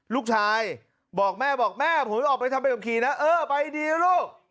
ลูกชายบอกแม่บอกแม่ผมออกไปทำใบขับขี่นะเออไปดีนะลูก